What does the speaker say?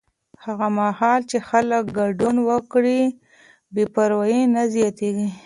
هغه مهال چې خلک ګډون وکړي، بې پروایي نه زیاتېږي.